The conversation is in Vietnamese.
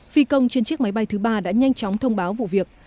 phi công trên chiếc máy bay thứ ba đã nhanh chóng thông báo vụ việc